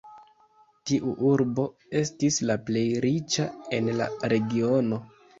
Tiu urbo estis la plej riĉa en la regiono.